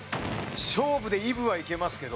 勝負でイブはいけますけど。